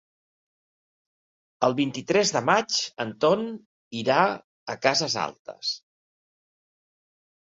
El vint-i-tres de maig en Ton irà a Cases Altes.